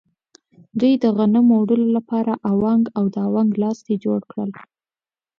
دوی د غنمو وړلو لپاره اونګ او د اونګ لاستی جوړ کړل.